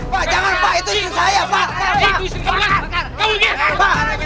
pak jangan pak itu istri saya pak